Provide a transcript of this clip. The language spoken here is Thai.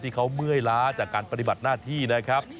เมื่อยล้าจากการปฏิบัติหน้าที่นะครับ